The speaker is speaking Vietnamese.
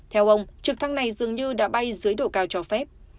theo ông trực thăng này dường như đã bay dưới độ cao cho phép